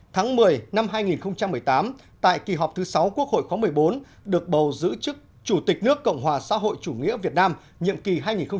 tháng một mươi năm hai nghìn một mươi tám tại kỳ họp thứ sáu quốc hội khóa một mươi bốn được bầu giữ chức chủ tịch nước cộng hòa xã hội chủ nghĩa việt nam nhiệm kỳ hai nghìn một mươi sáu hai nghìn hai mươi